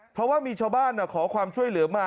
เพราะว่ามีชาวบ้านขอความช่วยเหลือมา